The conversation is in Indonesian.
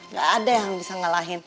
gak ada yang bisa ngalahin